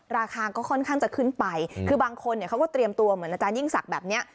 ราคาก็ค่อนข้างจะขึ้นไปคือบางคนเนี่ยเขาก็เตรียมตัวเหมือนอาจารยิ่งศักดิ์แบบนี้